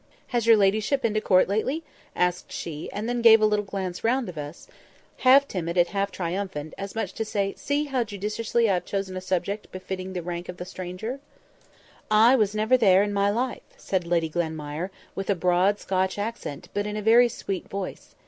"Has your ladyship been to Court lately?" asked she; and then gave a little glance round at us, half timid and half triumphant, as much as to say, "See how judiciously I have chosen a subject befitting the rank of the stranger." "I never was there in my life," said Lady Glenmire, with a broad Scotch accent, but in a very sweet voice.